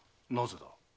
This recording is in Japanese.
なぜだ？